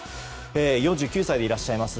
４９歳でいらっしゃいます。